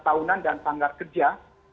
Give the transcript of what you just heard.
tahunan dan panggar kerja